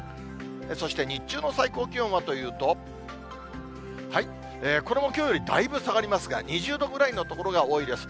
そして日中の最高気温はというと、これもきょうよりだいぶ下がりますが、２０度ぐらいの所が多いです。